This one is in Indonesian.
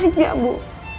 kok lima tahun